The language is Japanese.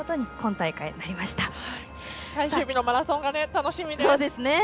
最終日のマラソンが楽しみです。